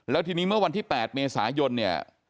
แล้วทีนี้เมื่อวันที่๘เมษายนเนี่ย